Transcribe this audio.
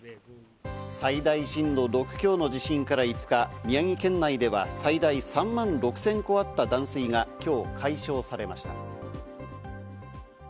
最大震度６強の地震から５日、宮城県内では最大３万６０００戸あった断水が今日、解消されました。